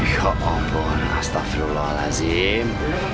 ya ampun astagfirullahaladzim